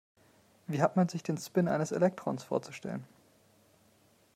Wie hat man sich den Spin eines Elektrons vorzustellen?